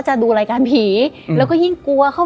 และยินดีต้อนรับทุกท่านเข้าสู่เดือนพฤษภาคมครับ